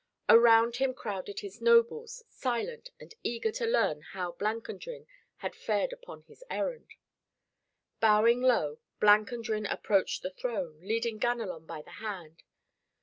Around him crowded his nobles, silent and eager to learn how Blancandrin had fared upon his errand. Bowing low, Blancandrin approached the throne, leading Ganelon by the hand.